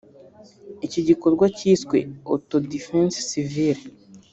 Iki gikorwa cyiswe « Auto-défense civile »